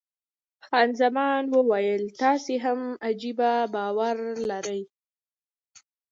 خان زمان وویل، تاسې هم عجبه باور لرئ.